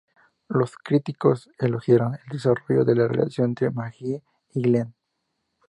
Los críticos elogiaron el desarrollo de la relación entre Maggie y Glenn.